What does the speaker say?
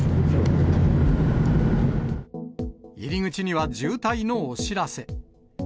入り口には渋滞のお知らせ。